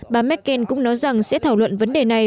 bà merkel cũng nói rằng sẽ thảo luận vấn đề này